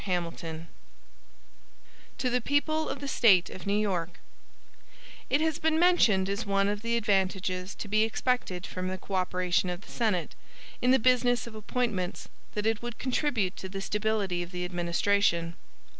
HAMILTON To the People of the State of New York: IT HAS been mentioned as one of the advantages to be expected from the co operation of the Senate, in the business of appointments, that it would contribute to the stability of the administration.